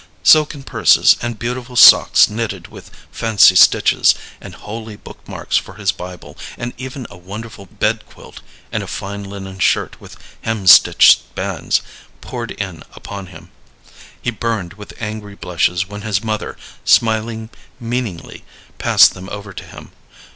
Silken purses and beautiful socks knitted with fancy stitches, and holy book marks for his Bible, and even a wonderful bedquilt, and a fine linen shirt with hem stitched bands, poured in upon him. He burned with angry blushes when his mother, smiling meaningly, passed them over to him.